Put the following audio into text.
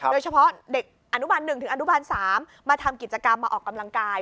โดยเฉพาะเด็กอนุบัน๑ถึงอนุบาล๓มาทำกิจกรรมมาออกกำลังกาย